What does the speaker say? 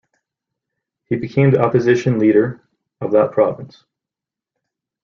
He became the opposition leader of that province.